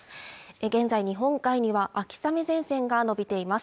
現在日本海には秋雨前線が延びています